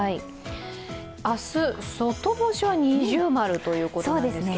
明日、外干しは◎ということですが。